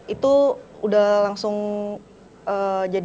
itu udah langsung jadi